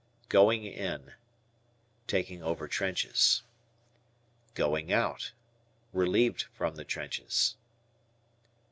"Going in." Taking over trenches. "Going out." Relieved from the trenches.